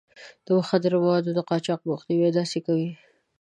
د مخدره موادو د قاچاق مخنيوی داسې کوي.